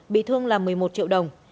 bị thương là một mươi một triệu đồng